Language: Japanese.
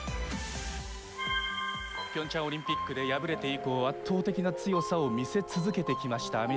ピョンチャンオリンピックで敗れて以降圧倒的な強さを見せ続けてきました